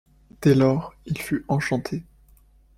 Dès lors, il fut enchanté.